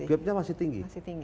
gapnya masih tinggi